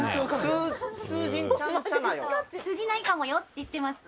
「“通じないかもよ”って言ってます」